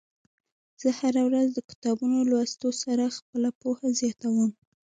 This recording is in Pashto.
زه هره ورځ د کتابونو لوستلو سره خپله پوهه زياتوم.